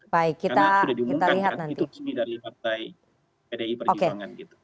karena sudah diumumkan kan itu sendiri dari partai pdi perjuangan gitu